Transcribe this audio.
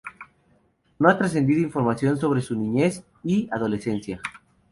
No ha trascendido información sobre su niñez y adolescencia.